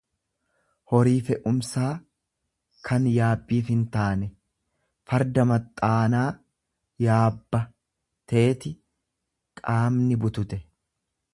horii fe'umsaa kan yaabbiif hintaane ; Farda maxxaanaa yaabba teeti qaamni butute.